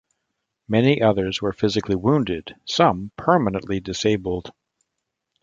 Many others were physically wounded, some permanently disabled.